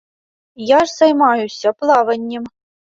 Я ж займаюся плаваннем.